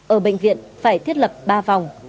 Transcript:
ở bệnh viện phải thiết lập ba vòng